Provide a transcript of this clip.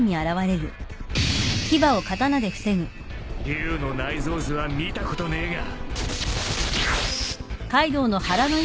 龍の内臓図は見たことねえが。